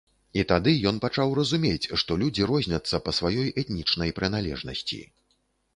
І тады ён пачаў разумець, што людзі розняцца па сваёй этнічнай прыналежнасці.